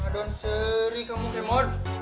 aduh seri kamu kemo